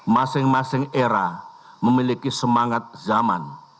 masing masing era memiliki semangat zaman